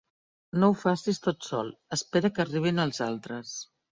No ho facis tot sol: espera que arribin els altres.